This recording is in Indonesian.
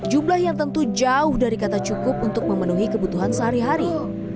jumlah yang tentu jauh dari kata cukup untuk memenuhi kebutuhan sehari hari